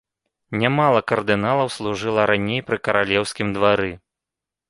Нямала кардыналаў служыла раней пры каралеўскім двары.